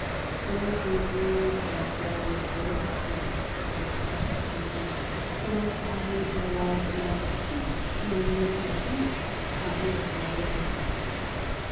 So much for making myself very agreeable," he remarked, with great satisfaction, to Marlowe. " So much for having a large amount of cheek and unlimited assurance," promptly responded his friend.